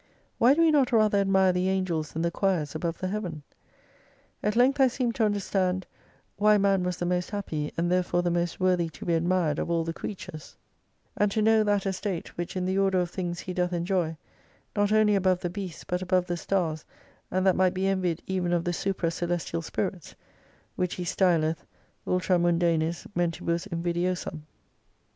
Why do we not rather admire the Angels and the Quires above the Heaven ? At length I seemed to understand, why man was the most happy, and therefore the most worthy to be admired of all the creatures : and to 295 know that estate, which in the order of things he doth enjoy, not only above the beasts but above the stars and that might be envied even of the supra celestial spirits, which he styleth, ultra mundanis mentibus invidiosam.